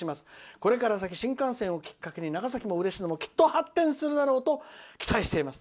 これから先、新幹線をきっかけに長崎も嬉野もきっと発展するだろうと期待しています。